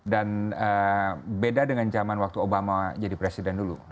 dan beda dengan zaman waktu obama jadi presiden dulu